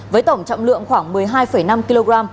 với tổng trọng lượng khoảng một mươi hai năm kg